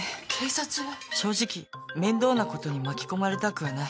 正直面倒なことに巻き込まれたくはない